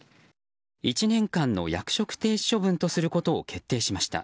１年間の役職停止処分とすることを決定しました。